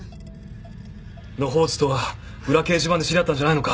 野放図とは裏掲示板で知り合ったんじゃないのか？